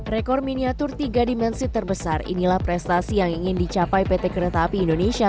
rekor miniatur tiga dimensi terbesar inilah prestasi yang ingin dicapai pt kereta api indonesia